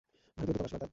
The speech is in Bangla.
ভারতীয় দূতাবাস, বাগদাদ।